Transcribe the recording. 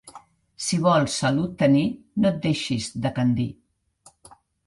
Si vols salut tenir, no et deixis decandir.